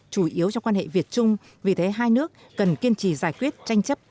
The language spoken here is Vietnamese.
chủ yếu trong quan hệ việt trung vì thế hai nước cần kiên trì giải quyết tranh chấp